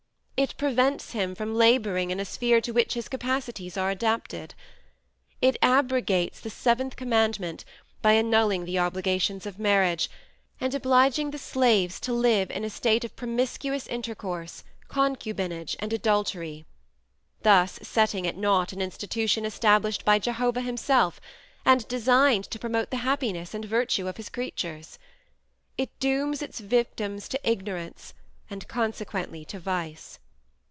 It prevents him from laboring in a sphere to which his capacities are adapted. It abrogates the seventh commandment, by annulling the obligations of marriage, and obliging the slaves to live in a state of promiscuous intercourse, concubinage, and adultery; thus setting at nought an institution established by Jehovah himself, and designed to promote the happiness and virtue of his creatures. It dooms its victims to ignorance, and consequently to vice.